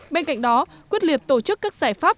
bên cạnh đó quyết liệt tổ chức các giải pháp